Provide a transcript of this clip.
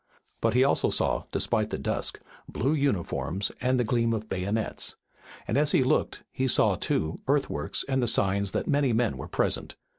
But he also saw, despite the dusk, blue uniforms and the gleam of bayonets. And as he looked he saw, too, earthworks and the signs that many men were present.